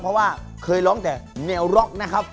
เพราะว่าเคยร้องแต่แนวร็อกนะครับ